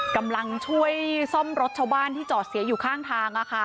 กำลังช่วยซ่อมรถชาวบ้านที่จอดเสียอยู่ข้างทาง